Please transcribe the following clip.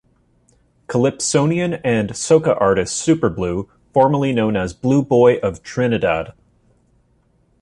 Calypsonian and soca artist Superblue, formerly known as Blue Boy of Trinidad.